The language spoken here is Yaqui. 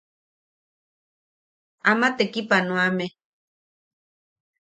Ama tekipanoame.